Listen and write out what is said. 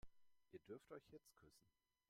Ihr dürft euch jetzt küssen.